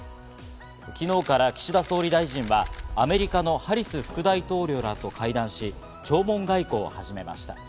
昨日から岸田総理大臣はアメリカのハリス副大統領らと会談し、弔問外交を始めました。